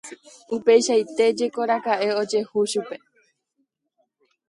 Upeichaite jekoraka'e ojehu chupe mba'e.